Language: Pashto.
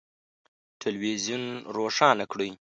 تلویزون روښانه کړئ